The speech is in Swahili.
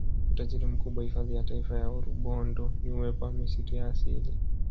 Utajiri mkubwa hifadhi ya Taifa ya Rubondo ni uwepo wa misitu ya asili